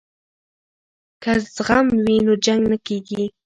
که زغم وي نو جنګ نه کیږي.